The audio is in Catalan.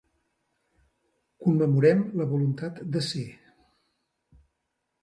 Commemorem la voluntat de ser.